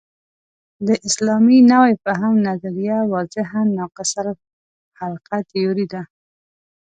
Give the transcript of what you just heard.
د اسلامي نوي فهم نظریه واضحاً ناقص الخلقه تیوري ده.